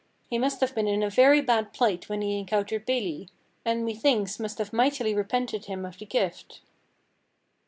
He must have been in a very bad plight when he encountered Beli, and methinks must have mightily repented him of the gift."